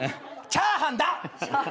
チャーハン！